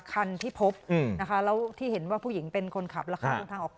คันที่พบนะคะแล้วที่เห็นว่าผู้หญิงเป็นคนขับราคาเดินทางออก